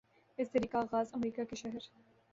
اس تحریک کا آغاز امریکہ کہ شہر